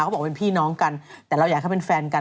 เขาบอกเป็นพี่น้องกันแต่เราอยากให้เขาเป็นแฟนกัน